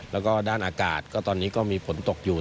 แล้วก็ด้านอากาศก็ตอนนี้ก็มีฝนตกอยู่